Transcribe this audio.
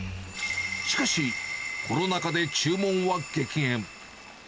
しかし、コロナ禍で注文は激減。